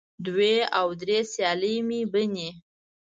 دوې او درې سیالې مې بنې